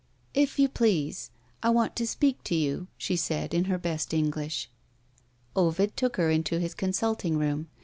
"If you please, I want to speak to you," she said, in her best English. Ovid took her into his consulting room.